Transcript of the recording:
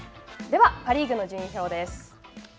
ではパ・リーグの順位表です。